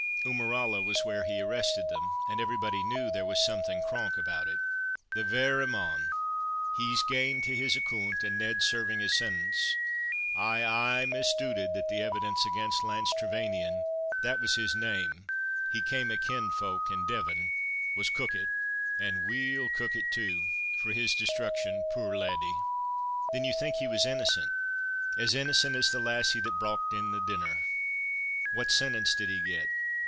Eumeralla was where he arrested them, and everybody knew there was something 'cronk' about it." "The verra mon! He's gane to his accoont, and Ned's serving his sentence. I aye misdooted that the evidence against Lance Trevanion (that was his name, he cam' of kenned folk in Devon,) was 'cookit,' and weel cookit too, for his destruction, puir laddie." "Then you think he was innocent?" "As innocent as the lassie that brocht in the denner." "What sentence did he get?"